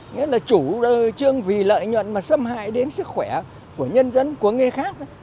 nghĩa là chủ trương vì lợi nhận mà xâm hại đến sức khỏe của nhân dân của người khác